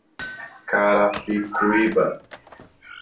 Carapicuíba